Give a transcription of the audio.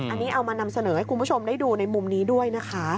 อันนี้เอามานำเสนอให้คุณผู้ชมได้ดูในมุมนี้ด้วยนะคะ